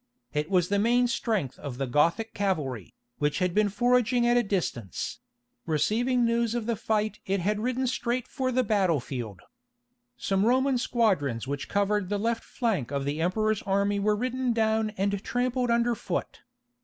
It was the main strength of the Gothic cavalry, which had been foraging at a distance; receiving news of the fight it had ridden straight for the battle field. Some Roman squadrons which covered the left flank of the Emperor's army were ridden down and trampled under foot.